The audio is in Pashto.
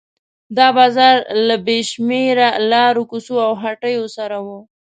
دا بازار له بې شمېره لارو کوڅو او هټیو سره و.